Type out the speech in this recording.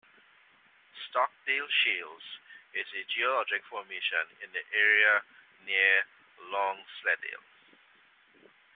The Stockdale Shales is a geologic formation in the area near Longsleddale.